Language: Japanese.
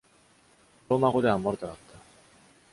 ローマ語ではモルタだった。